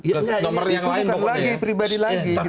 itu bukan lagi pribadi lagi gitu loh